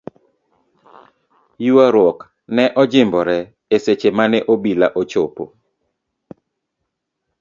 Yuaruok ne ojimbore e seche mane obila ochopo.